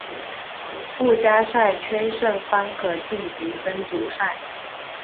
附加赛圈胜方可晋级分组赛。